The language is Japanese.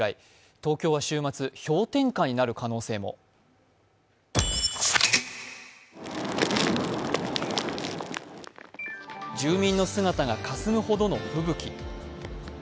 東京は週末、氷点下になる可能性も住民の姿がかすむほどの吹雪。